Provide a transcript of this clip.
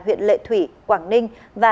huyện lệ thủy quảng ninh và